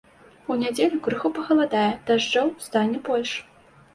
У нядзелю крыху пахаладае, дажджоў стане больш.